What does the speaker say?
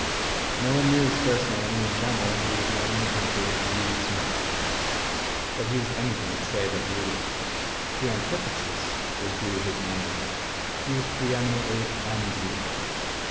No one knew his first name, and in general he was known in the country as Beauty Smith. But he was anything save a beauty. To antithesis was due his naming. He was pre eminently unbeautiful.